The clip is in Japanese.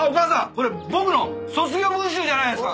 これ僕の卒業文集じゃないですか！